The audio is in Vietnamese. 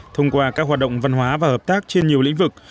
thông qua các hoạt động văn hóa và hợp tác trên nhiều lĩnh vực